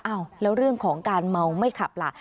อ้าวแล้วเรื่องของการเมาไม่ขับล่ะ